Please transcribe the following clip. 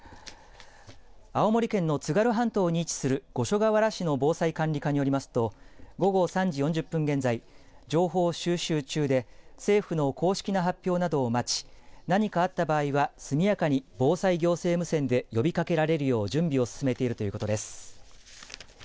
青森県の津軽半島に位置する五所川原市の防災管理課によりますと午後３時４０分現在、情報収集中で政府の公式な発表などを待ち何かあった場合は速やかに防災行政無線で呼びかけられるよう準備を進めているということです。